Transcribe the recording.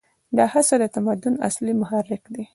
دا هڅه د تمدن اصلي محرک دی.